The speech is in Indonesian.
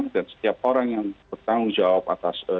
dan setiap orang yang bertanggung jawab atas ee